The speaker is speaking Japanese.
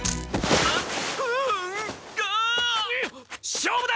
勝負だ！